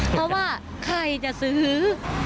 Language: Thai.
เพราะว่าใครจะซื้อ